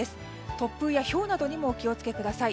突風やひょうなどにもお気を付けください。